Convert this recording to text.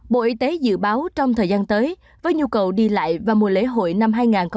bộ y tế dự báo trong thời gian tới với nhu cầu đi lại và mùa lễ hội năm hai nghìn hai mươi